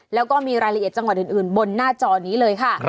แล้วก็มีรายละเอียดจังหวัดอื่นบนหน้าจอนี้เลยค่ะ